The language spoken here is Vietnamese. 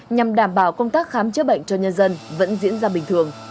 nhằm đảm bảo công tác khám chữa bệnh cho nhân dân vẫn diễn ra bình thường